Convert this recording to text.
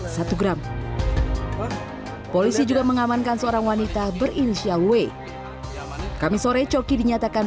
satu gram polisi juga mengamankan seorang wanita berinisial w kami sore coki dinyatakan